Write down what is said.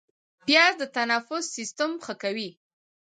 پیاز د تنفس سیستم ښه کوي